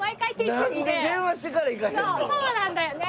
そうなんだよね。